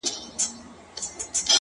ماته يې په نيمه شپه ژړلي دي ـ